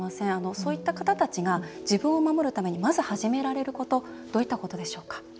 そういった方たちが自分を守るためにまず始められることどういったことでしょうか？